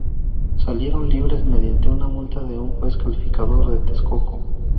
Salieron libres mediante una multa de un juez calificador de Texcoco.